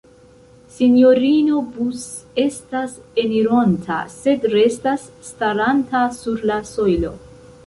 Sinjorino Bus estas enironta, sed restas staranta sur la sojlo.